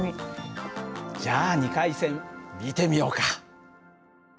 じゃあ２回戦見てみようか。